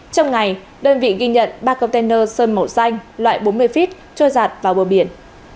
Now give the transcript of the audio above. trong ngày đơn vị ghi nhận ba container sơn màu xanh loại bốn mươi feet trôi giạt vào bờ biển